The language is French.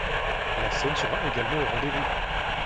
La scène sera également au rendez-vous.